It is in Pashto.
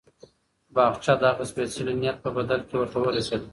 باغچه د هغه د سپېڅلي نیت په بدل کې ورته ورسېده.